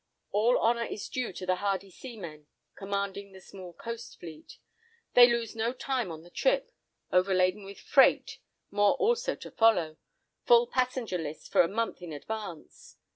All honour is due to the hardy seamen commanding the small coast fleet. They lose no time on the trip—overladen with freight, more also to follow—full passenger lists for a month in advance.